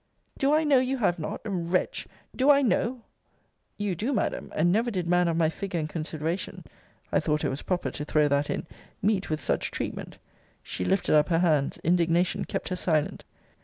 Do I know you have not? Wretch! Do I know You do, Madam and never did man of my figure and consideration, [I thought it was proper to throw that in] meet with such treatment She lifted up her hands: indignation kept her silent.